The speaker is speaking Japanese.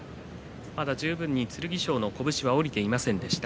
まだ十分に剣翔の拳が下りていませんでした。